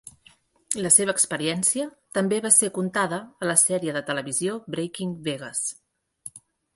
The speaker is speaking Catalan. La seva experiència també va ser contada a la sèrie de televisió Breaking Vegas.